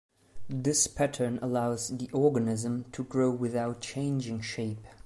This pattern allows the organism to grow without changing shape.